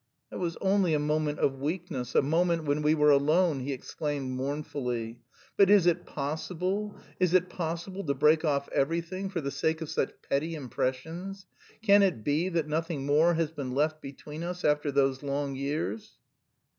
"That was only a moment of weakness, a moment when we were alone," he exclaimed mournfully. "But is it possible, is it possible, to break off everything for the sake of such petty impressions? Can it be that nothing more has been left between us after those long years?"